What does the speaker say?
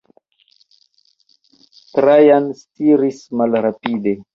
Trajan stiris malrapide.